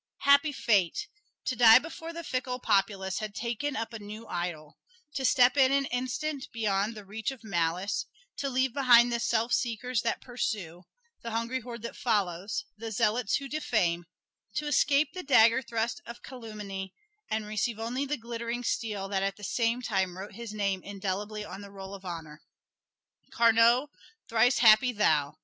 Happy fate! to die before the fickle populace had taken up a new idol; to step in an instant beyond the reach of malice to leave behind the self seekers that pursue, the hungry horde that follows, the zealots who defame; to escape the dagger thrust of calumny and receive only the glittering steel that at the same time wrote his name indelibly on the roll of honor. Carnot, thrice happy thou!